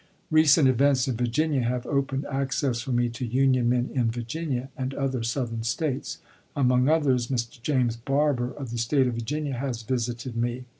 Recent events in Virginia have opened access for me to Union men in Virginia and other Southern States. Among others, Mr. James Barbour, of the State of Vir ginia, has visited me.